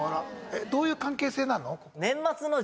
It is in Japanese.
どういう関係性なの？